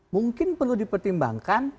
mungkin perlu dipertimbangkan